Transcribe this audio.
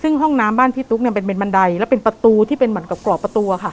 ซึ่งห้องน้ำบ้านพี่ตุ๊กเนี่ยเป็นบันไดแล้วเป็นประตูที่เป็นเหมือนกับกรอบประตูอะค่ะ